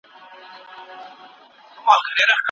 چای او سابه د بزګرانو لپاره یو ساده خو مینه ناک خواړه دي.